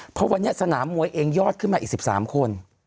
เพราะวันนี้สนามมวยเองยอดขึ้นมาอีก๑๓คน